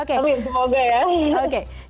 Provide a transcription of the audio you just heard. amin semoga ya